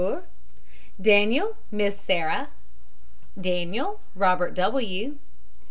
DANIEL, MISS SARAH. DANIEL, ROBERT W.